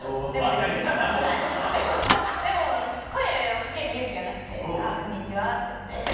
でも声を掛ける勇気はなくて「あっこんにちは」って言って。